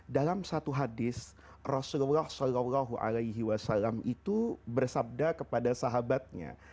dalam satu hadis rasulullah saw itu bersabda kepada sahabatnya